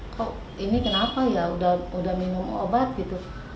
kok ini kenapa ya udah minum obat gitu